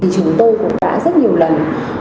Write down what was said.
chúng tôi cũng đã rất nhiều lần